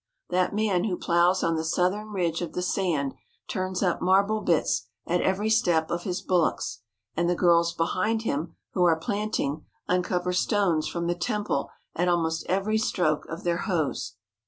That man who ploughs on the southern ridge of the sand turns up marble bits at every step of his bullocks, and the girls behind him, who are planting, uncover stones from the temple at almost every stroke of their hoes.